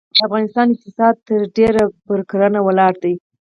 د افغانستان اقتصاد ترډیره پرکرهڼه ولاړ دی.